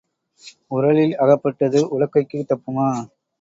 உரலில் அகப்பட்டது உலக்கைக்கு தப்புமா?